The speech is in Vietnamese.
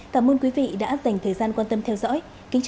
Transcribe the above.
cảm ơn quý vị đã dành thời gian quan tâm theo dõi